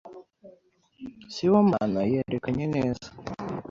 Sibomana yerekanye neza.